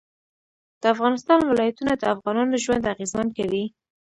د افغانستان ولايتونه د افغانانو ژوند اغېزمن کوي.